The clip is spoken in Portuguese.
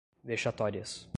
vexatórias